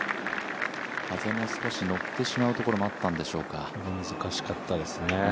風も少し乗ってしまうところもあったんでしょうか。